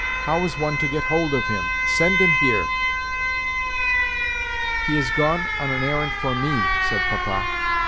How is one to get hold of him? Send him here." "He has gone an errand for me," said Papa.